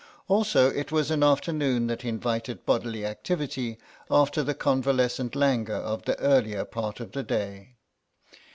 Also it was an afternoon that invited bodily activity after the convalescent languor of the earlier part of the day.